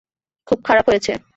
খুব খারাপ হয়েছে।